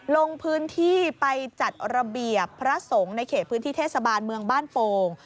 ลงพื้นที่ไปจัดระเบียบพระสงฆ์ในเขตพื้นที่เทศบาลเมืองบ้านโป่ง